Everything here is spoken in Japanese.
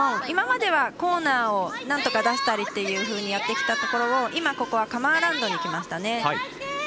今まではコーナーをなんとか出したりっていうふうにやってきたところを今、ここはカム・アラウンドに行きましたね。